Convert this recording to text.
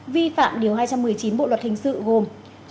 vi phạm điều hai trăm một mươi chín bộ luật hình sự gồm